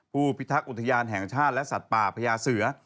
ผู้พิทักษ์อุทยานแห่งชาติและสัตว์ป่าพญาเสือ